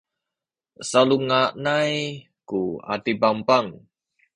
salunganay ku adipapang